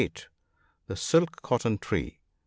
The silk cotton tree.